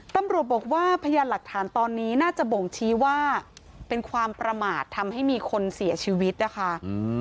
ตำรวจบอกว่าพยานหลักฐานตอนนี้น่าจะบ่งชี้ว่าเป็นความประมาททำให้มีคนเสียชีวิตนะคะ